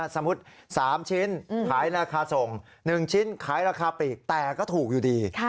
สมมุติ๓ชิ้นขายราคาส่ง๑ชิ้นขายราคาปีกแต่ก็ถูกอยู่ดี